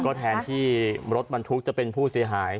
ก็แทนที่รถบรรทุกจะเป็นผู้เสียหาย